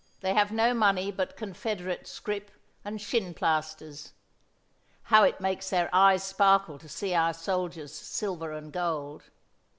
They have no money but Confederate scrip and 'shin plasters.' How it makes their eyes sparkle to see our soldiers' silver and gold.